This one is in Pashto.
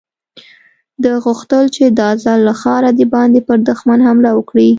ده غوښتل چې دا ځل له ښاره د باندې پر دښمن حمله وکړي.